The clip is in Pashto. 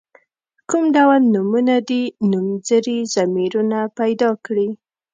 کوم ډول نومونه دي نومځري ضمیرونه پیداکړي.